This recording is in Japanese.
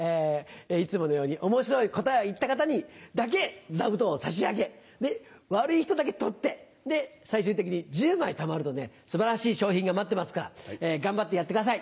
いつものように面白い答えを言った方にだけ座布団を差し上げ悪い人だけ取って最終的に１０枚たまるとね素晴らしい賞品が待ってますから頑張ってやってください。